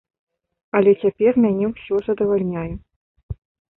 Але цяпер мяне ўсё задавальняе.